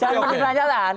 jangan merilis pernyataan